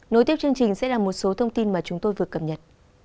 nối tiếp chương trình sẽ là một số thông tin mà chúng tôi vừa cập nhật